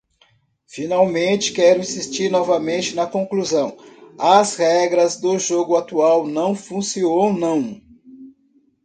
Finalmente, quero insistir novamente na conclusão: as regras do jogo atual não funcionam.